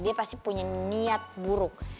dia pasti punya niat buruk